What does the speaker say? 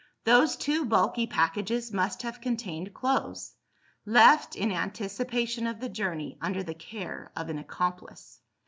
Those two bulky packages must have contained clothes left, in anticipation of the journey, under the care of an accomplice.